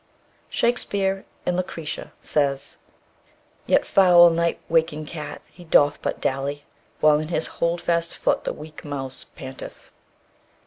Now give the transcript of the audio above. Shakespeare, in "Lucrece," says: "Yet foul night waking cat, he doth but dally, While in his holdfast foot the weak mouse panteth."